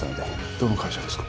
どの会社ですか